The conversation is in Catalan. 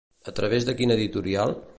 A través de quina editorial?